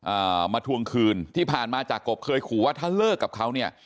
อ่ามาทวงคืนที่ผ่านมาจากกบเคยขู่ว่าถ้าเลิกกับเขาเนี่ย